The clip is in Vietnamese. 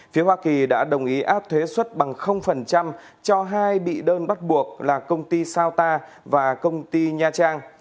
phía hoa kỳ đã đồng ý áp thuế xuất bằng cho hai bị đơn bắt buộc là công ty sao ta và công ty nha trang